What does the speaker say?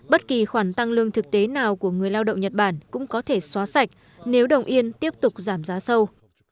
bất kỳ khoản tăng lương thực tế nào của người lao động nhật bản cũng có thể xóa sạch nếu đồng yên tiếp tục giảm giá sâu